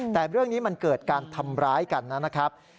แต่เรื่องนี้มันเกิดการทำร้ายกันนะครับ